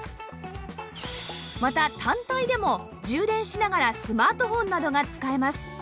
また単体でも充電しながらスマートフォンなどが使えます